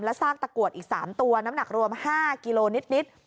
ซากตะกรวดอีก๓ตัวน้ำหนักรวม๕กิโลนิด